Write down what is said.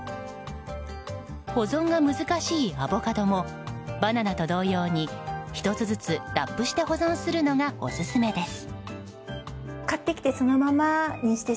保存が難しいアボカドもバナナと同様に１つずつラップして保存するのがオススメです。